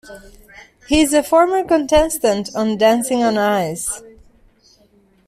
He is a former contestant on "Dancing on Ice".